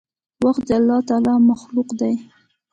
وخت د الله تعالي مخلوق دی.